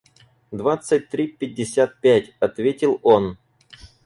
– Двадцать три пятьдесят пять, – ответил он.